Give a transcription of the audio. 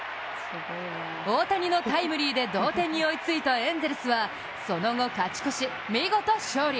大谷のタイムリーで同点に追いついたエンゼルスはその後勝ち越し、見事勝利。